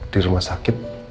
di rumah sakit